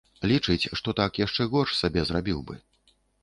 Лічыць, што так яшчэ горш сабе зрабіў бы.